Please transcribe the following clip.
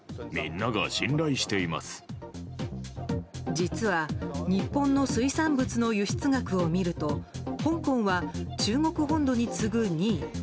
実は日本の水産物の輸出額を見ると香港は中国本土に次ぐ２位。